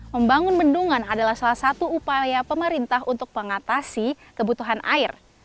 membangun bendungan adalah salah satu upaya pemerintah untuk mengatasi kebutuhan air